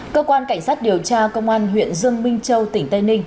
cơ quan cảnh sát điều tra công an huyện dương minh châu tỉnh tây ninh